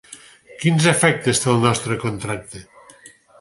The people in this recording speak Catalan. Quins efectes té el nostre contracte?